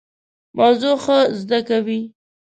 موضوع ښه زده کوي.